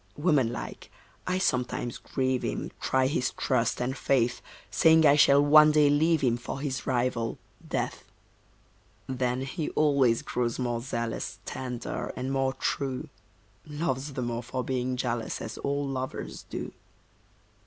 Woman like, I sometimes grieve him, Try his trust and faith, Saying I shall one day leave him For his rival, Death. Then he always grows more zealous, Tender, and more true; Loves the more for being jealous, As all lovers do.